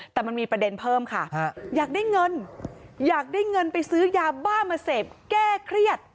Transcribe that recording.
แต่มันมีประเด็นเพิ่มค่ะอยากได้เงินอยากได้เงินไปซื้อยาบ้ามาเสพแก้เครียด